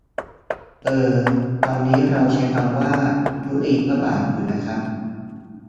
เอ่อ ตอนนี้เราก็ใช้คำว่า ธุลีพระบาท อยู่นะครับ